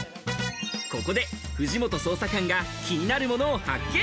ここで藤本捜査官が気になるものを発見。